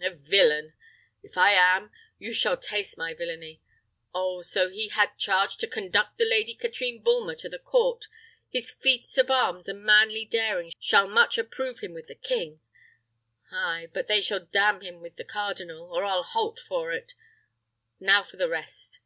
'A villain!' If I am, you shall taste my villany. Oh! so he had charge to 'conduct the Lady Katrine Bulmer to the court: his feats of arms and manly daring shall much approve him with the king.' Ay, but they shall damn him with the cardinal, or I'll halt for it! Now for the rest!"